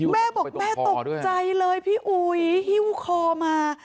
แม่บอกแม่ตกใจเลยพี่อุ๋ยหิ้วคอมา